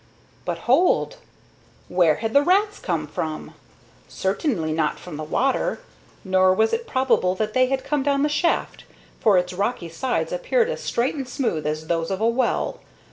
But hold! Where had the rats come from? Certainly not from the water, nor was it probable that they had come down the shaft, for its rocky sides appeared as straight and smooth as those of a well.